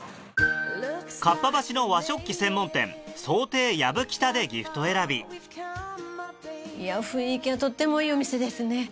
かっぱ橋の和食器専門店創亭やぶきたでギフト選び雰囲気がとってもいいお店ですね。